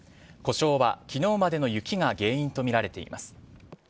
故障は昨日までの雪が原因とみられています。